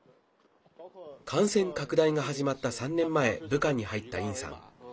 感染拡大が始まった３年前武漢に入った尹さん。